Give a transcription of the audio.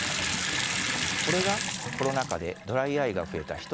これがコロナ禍でドライアイが増えた